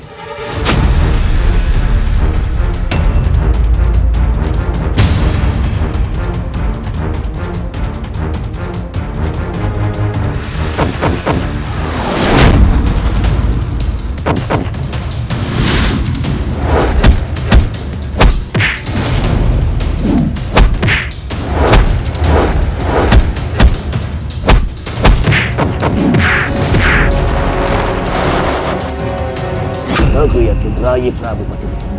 tiap ketanding kali kau datang aku akan keduanya